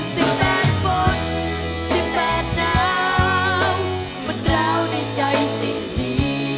สิบแปดฝนสิบแปดน้ำมนต์ราวในใจสิ่งดี